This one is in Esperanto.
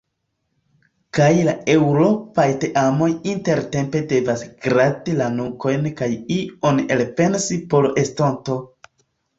Kaj la eŭropaj teamoj intertempe devas grati la nukojn kaj ion elpensi por estonto.